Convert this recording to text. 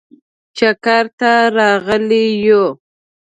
چکر ته راغلي یو.